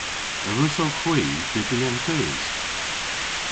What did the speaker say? A wrussowgh hwi dybri an keus?